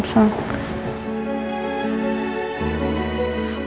masa allah mau kemana sih